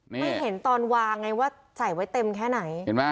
ไม่เห็นตอนวางไงว่าใส่ไว้เต็มแค่ไหน